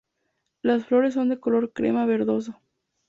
Las flores son de color crema verdoso.